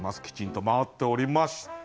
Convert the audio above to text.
きちんと回っております。